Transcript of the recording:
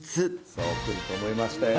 そう来ると思いましたよ。